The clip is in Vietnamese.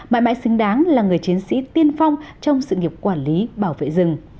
mãi mãi xứng đáng là người chiến sĩ tiên phong trong sự nghiệp quản lý bảo vệ rừng